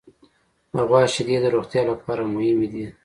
د غوا شیدې د روغتیا لپاره مهمې دي.